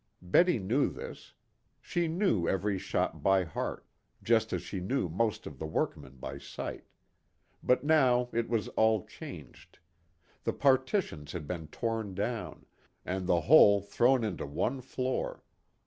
Betty knew this. She knew every shop by heart, just as she knew most of the workmen by sight. But now it was all changed. The partitions had been torn down, and the whole thrown into one floor.